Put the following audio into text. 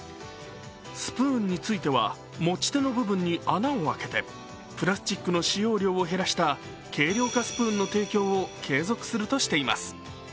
スプーンについては持ち手の部分に穴を開けてプラスチックの使用量を減らした軽量化スプーンの提供を継続するとしています。